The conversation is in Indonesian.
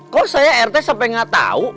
kok saya rt sampe gak tau